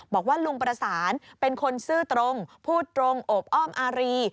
บอกว่าลุงประสานเป็นคนซื่อตรงพูดตรงโอบอ้อมอารี